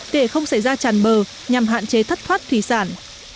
để không xảy ra tràn bờ nhằm hạn chế thất thoát thủy sản